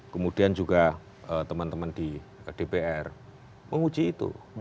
kemudian juga teman teman di dpr menguji itu